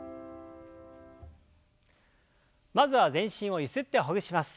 まずは全身をゆすってほぐします。